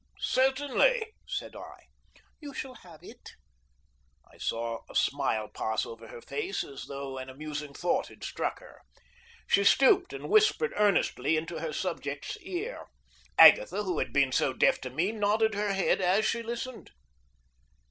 "Certainly," said I. "You shall have it." I saw a smile pass over her face, as though an amusing thought had struck her. She stooped and whispered earnestly into her subject's ear. Agatha, who had been so deaf to me, nodded her head as she listened.